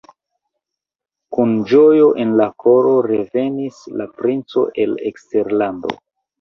Kun ĝojo en la koro revenis la princo el eksterlando.